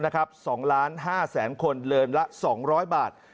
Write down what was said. ๒๕๐๐๐๐๐คนเริ่มละ๒๐๐บาท